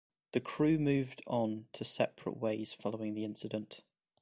The crew moved on to separate ways following the incident.